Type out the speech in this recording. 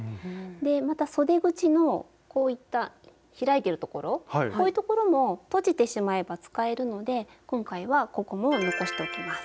でまたそで口のこういった開いてるところこういうところもとじてしまえば使えるので今回はここも残しておきます。